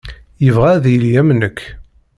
Yebɣa ad yili am nekk.